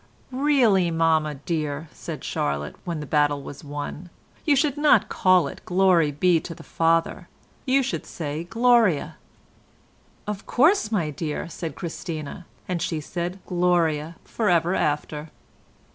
"Really, mamma dear," said Charlotte, when the battle was won, "you should not call it the 'Glory be to the Father' you should say 'Gloria.'" "Of course, my dear," said Christina, and she said "Gloria" for ever after.